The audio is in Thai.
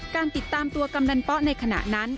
การติดตามตัวกำนันป๊ะในขณะนั้น